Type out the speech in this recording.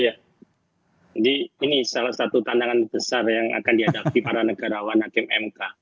jadi ini salah satu tandangan besar yang akan diadapi para negarawan hakim mk